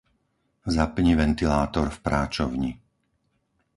Zapni ventilátor v práčovni.